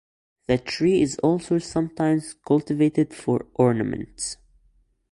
The tree is also sometimes cultivated for ornament.